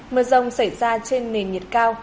mưa rông xảy ra trên nền nhiệt cao